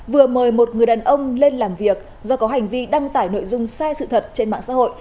vừa mời một người đàn ông lên làm việc do có hành vi đăng tải nội dung sai sự thật trên mạng xã hội